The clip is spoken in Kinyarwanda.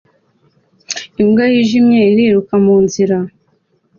Imbwa yijimye iriruka mu nzira